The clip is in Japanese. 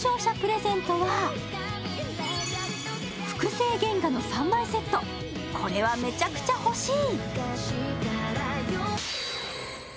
複製原画の３枚セット、これはめちゃくちゃ欲しい！